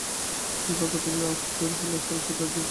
যেই ভাগ্য তুমি আজ তৈরি করবে, কাল সেটা জীবনকেও বদলে দেবে।